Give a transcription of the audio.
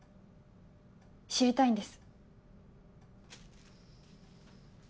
知りたいんです。